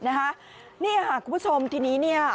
นะฮะนี่คุณผู้ชมที่นี้เนี่ย